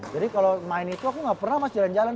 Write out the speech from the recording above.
jadi kalau main itu aku nggak pernah mas jalan jalan